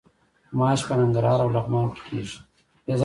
ماش په ننګرهار او لغمان کې کیږي.